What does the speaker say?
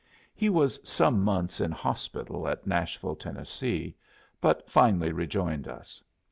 He was some months in hospital at Nashville, Tennessee, but finally rejoined us.